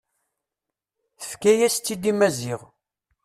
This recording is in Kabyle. Tefka-yas-tt-id i Maziɣ.